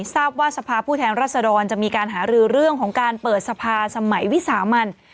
ทราบว่าสภาพผู้แทนรัศดรจะมีการหารือเรื่องของการเปิดสภาสมัยวิสามัน